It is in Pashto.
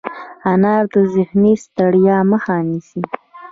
انار د ذهني ستړیا مخه نیسي.